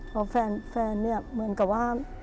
เพราะแฟนเหมือนกับว่า